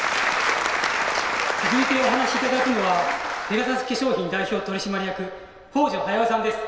続いてお話しいただくのはペガサス化粧品代表取締役北條駿夫さんです